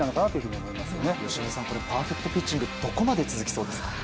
由伸さんパーフェクトピッチングどこまで続きそうですか？